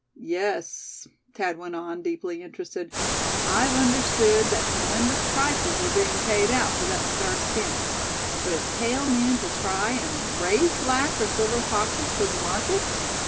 "Yes," Thad went on, deeply interested. "I've understood that tremendous prices were being paid out for that scarce skin; but is Cale meaning to try and raise black or silver foxes for the market?